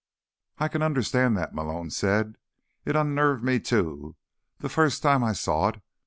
"I can understand that," Malone said. "It unnerved me, too, the first time I saw it.